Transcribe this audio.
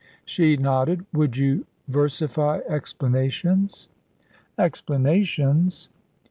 She nodded. "Would you versify explanations?" "Explanations?"